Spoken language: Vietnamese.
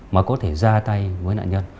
mà có thể ra tay với nạn nhân